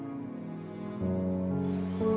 bisa atau kemana